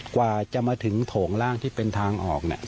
กว่าจะมาถึงโถงล่างที่เป็นทางออกเนี่ย